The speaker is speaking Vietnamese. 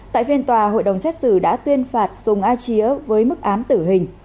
tại phiên tòa hội đồng xét xử đã tuyên phạt sùng a chía với mức án tử hình